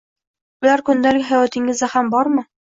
Ular kundalik hayotingizda ham bormi